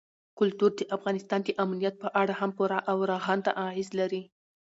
کلتور د افغانستان د امنیت په اړه هم پوره او رغنده اغېز لري.